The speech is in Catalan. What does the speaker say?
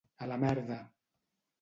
A la merda.